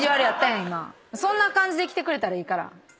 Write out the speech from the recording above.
そんな感じできてくれたらいいから。